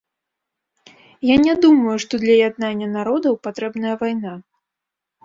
Я не думаю, што для яднання народаў патрэбная вайна.